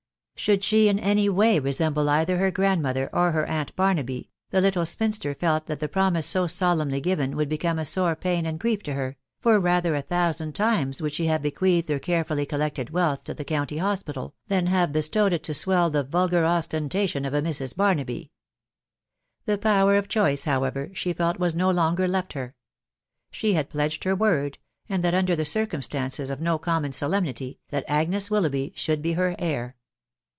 Should she in any way resemble either her grandmother or her aunt Barnaby, the little spinster felt that the promise so solemnly given would become a sore pain and grief to her, for rather a thousand times would she have bequeathed her care fully collected wealth to the county hospital, than have be stowed it to swell the vulgar ostentation of a Mrs. Barnaby. The power of choice, however, she felt was no longer left her. She had pledged her word, and that under circumstances of no common solemnity, that Agnes Willoughby should be her heir.